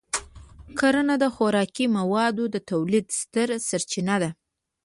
کرنه د خوراکي موادو د تولید ستره سرچینه ده.